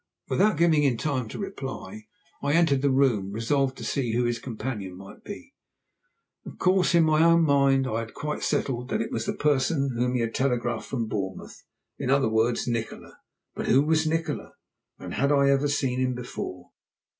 Without giving him time to reply I entered the room, resolved to see who his companion might be. Of course, in my own mind I had quite settled that it was the person to whom he had telegraphed from Bournemouth in other words Nikola. But who was Nikola? And had I ever seen him before?